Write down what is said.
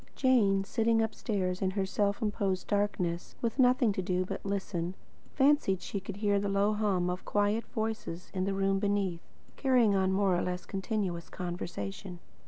Jane, sitting upstairs in her self imposed darkness, with nothing to do but listen, fancied she could hear the low hum of quiet voices in the room beneath, carrying on a more or less continuous conversation.